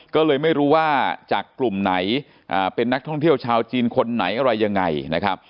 ก็เลยไม่รู้ว่าจากกลุ่มไหนเป็นนักท่องเที่ยวชาวจีนคนไหนอะไรยังไงนะครับ